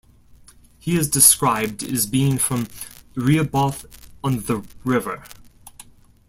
He is described as being from "Rehoboth on the River".